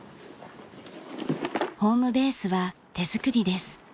ホームベースは手作りです。